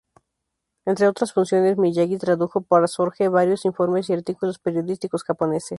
Entre otras funciones, Miyagi tradujo para Sorge varios informes y artículos periodísticos japoneses.